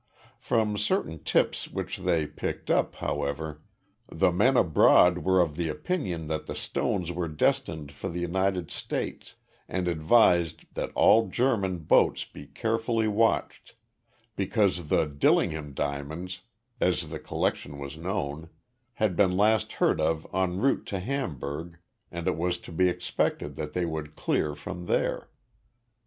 From certain tips which they picked up, however, the men abroad were of the opinion that the stones were destined for the United States and advised that all German boats be carefully watched, because the Dillingham diamonds as the collection was known had been last heard of en route to Hamburg and it was to be expected that they would clear from there.